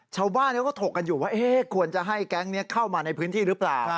ชาวบ้านเขาก็ถกกันอยู่ว่าควรจะให้แก๊งนี้เข้ามาในพื้นที่หรือเปล่า